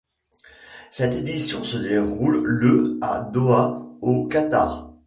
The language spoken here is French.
Cette édition se déroule le à Doha au Qatar.